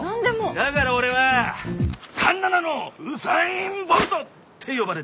だから俺は環七のウサイン・ボルトって呼ばれてる。